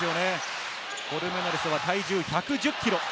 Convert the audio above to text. コルメナレスは体重１１０ｋｇ。